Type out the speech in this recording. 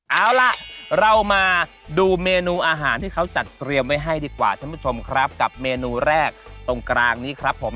เอาล่ะเรามาดูเมนูอาหารที่เขาจัดเตรียมไว้ให้ดีกว่าท่านผู้ชมครับกับเมนูแรกตรงกลางนี้ครับผม